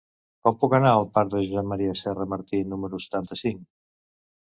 Com puc anar al parc de Josep M. Serra Martí número setanta-cinc?